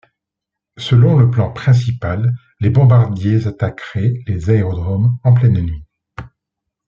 Selon le plan principal, les bombardiers attaqueraient les aérodromes en pleine nuit.